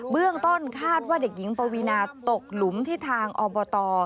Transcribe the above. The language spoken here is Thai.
เบื้องต้นคาดว่าเด็กหญิงปวีนาตกหลุมที่ทางอบต